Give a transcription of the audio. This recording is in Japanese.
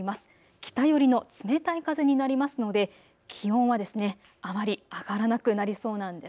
北寄りの冷たい風になりますので気温はあまり上がらなくなりそうなんです。